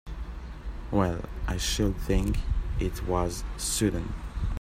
Well I should think it was sudden!